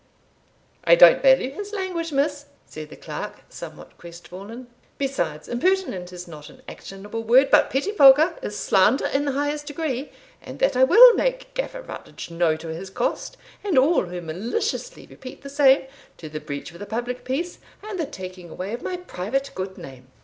"I don't value his language, Miss," said the clerk, somewhat crestfallen: "besides, impertinent is not an actionable word; but pettifogger is slander in the highest degree, and that I will make Gaffer Rutledge know to his cost, and all who maliciously repeat the same, to the breach of the public peace, and the taking away of my private good name."